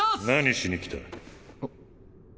何しに来た？